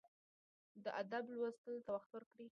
د ادب لوستلو ته وخت ورکړئ.